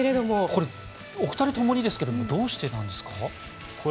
これお二人ともにですけどどうしてなんですか？